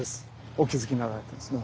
お気付きになられたんですね。